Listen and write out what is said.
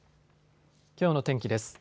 きょうの天気です。